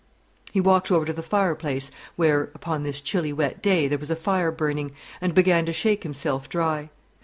He walked over to the fireplace, where upon this chilly wet day, there was a fire burning and began to shake himself dry.